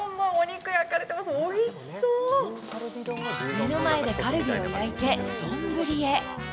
目の前でカルビを焼いて丼へ。